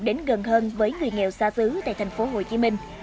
đến gần hơn với người nghèo xa xứ tại tp hcm